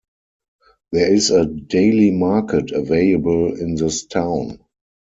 There is a daily market available in this town.